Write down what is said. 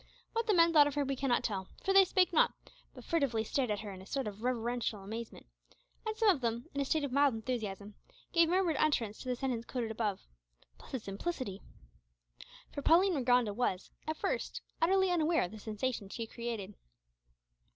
What the men thought of her we cannot tell, for they spake not, but furtively stared at her in a sort of reverential amazement, and some of them, in a state of mild enthusiasm, gave murmured utterance to the sentence quoted above, "Blessed simplicity!" for Pauline Rigonda was, at first, utterly unaware of the sensation she created.